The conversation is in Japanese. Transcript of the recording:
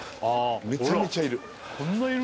めちゃめちゃいる。